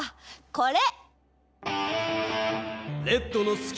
これ！